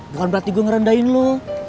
bukan berarti gue ngerendahin lo